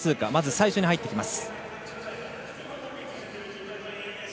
最初に入ってきます。